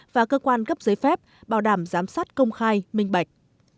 và cơ quan gấp giấy phép bảo đảm giám sát công khai minh bạch